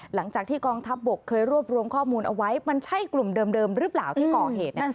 หลังจากที่กองทัพบกเคยรวบรวมข้อมูลเอาไว้มันใช่กลุ่มเดิมหรือเปล่าที่ก่อเหตุ